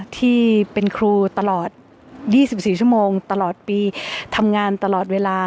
ที่เป็นครูตลอด๒๔ชั่วโมงตลอดปีทำงานตลอดเวลา